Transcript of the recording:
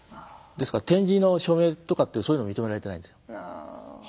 ですから点字の署名とかってそういうのは認められていないんですよ。